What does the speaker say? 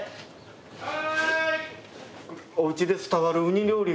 はい！